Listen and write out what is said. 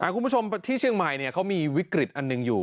คุณผู้ชมที่เชียงใหม่เขามีวิกฤตอันหนึ่งอยู่